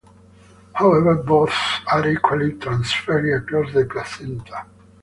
However both are equally transferred across the placenta.